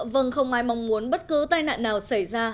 vâng không ai mong muốn bất cứ tai nạn nào xảy ra